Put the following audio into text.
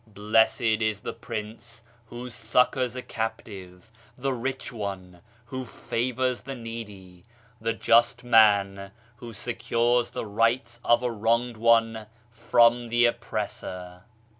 Blessed is the prince who succours a captive, the rich one who favors the needy, the just man who secures the rights of a wronged one from the oppressor!